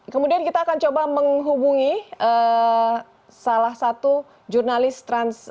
kemudian kita akan coba menghubungi salah satu jurnalis trans